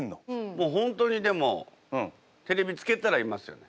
もう本当にでもテレビつけたらいますよね。